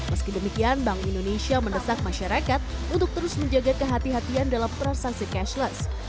meski demikian bank indonesia mendesak masyarakat untuk terus menjaga kehatian kehatian dalam transaksi cashless